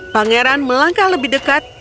pangeran melangkah lebih dekat